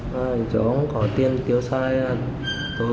sau khi đầu tránh trong cái vụ án này